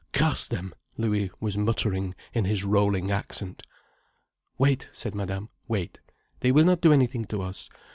Curse them!" Louis was muttering, in his rolling accent. "Wait," said Madame. "Wait. They will not do anything to us.